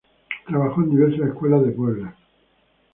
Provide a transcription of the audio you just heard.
Trabajó en diversas escuelas de Puebla.